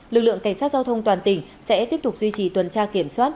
lực lượng cảnh sát giao thông toàn tỉnh sẽ tiếp tục duy trì tuần tra kiểm soát